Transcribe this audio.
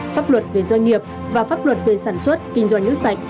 pháp luật về doanh nghiệp và pháp luật về sản xuất kinh doanh nước sạch